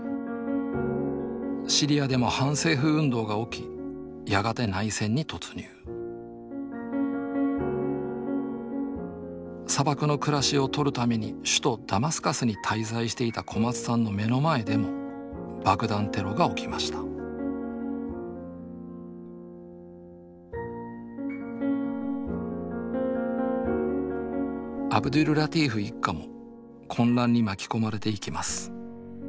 シリアでも反政府運動が起きやがて内戦に突入砂漠の暮らしを撮るために首都ダマスカスに滞在していた小松さんの目の前でも爆弾テロが起きましたアブドュルラティーフ一家も混乱に巻き込まれていきます。